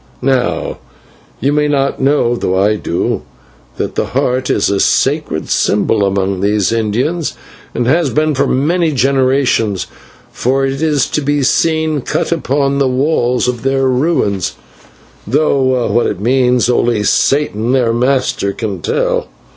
"Now, you may not know, though I do, that the heart is a sacred symbol among these Indians, and has been for many generations, for it is to be seen cut upon the walls of their ruins, though what it means only Satan, their master, can tell.